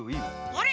あれ？